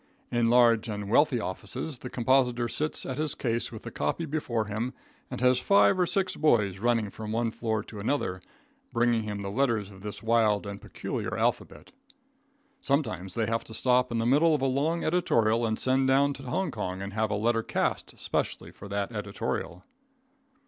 In large and wealthy offices the compositor sits at his case with the copy before him, and has five or six boys running from one floor to another, bringing him the letters of this wild and peculiar alphabet. Sometimes they have to stop in the middle of a long editorial and send down to Hong Kong and have a letter cast specially for that editorial.